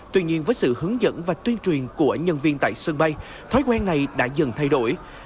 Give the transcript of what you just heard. tuy nhiên với sự hướng dẫn và tuyên truyền của nhân viên tại sân bay thói quen này đã dần thay đổi